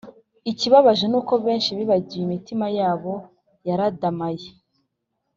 ikibabaje nuko benshi bibagiwe imitima yabo yaradamaye